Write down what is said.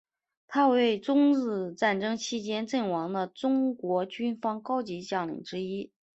他为中日战争期间阵亡的中国军方高级将领之一。